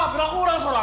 kenapa kurang seorang